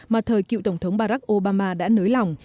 mà thời cựu tổng thống barack obama đã nới lỏng